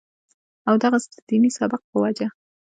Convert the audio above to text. او دغسې د ديني سبق پۀ وجه